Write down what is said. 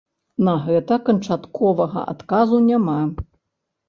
На гэта канчатковага адказу няма.